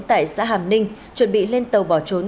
tại xã hàm ninh chuẩn bị lên tàu bỏ trốn